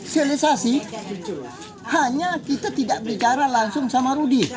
sosialisasi hanya kita tidak bicara langsung sama rudy